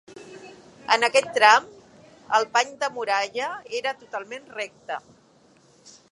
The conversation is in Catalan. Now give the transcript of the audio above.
En aquest tram, el pany de muralla era totalment recte.